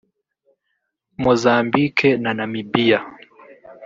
Mozambique na Namibia